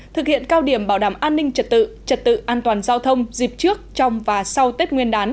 thực hiện cao điểm bảo đảm an ninh trật tự trật tự an toàn giao thông dịp trước trong và sau tết nguyên đán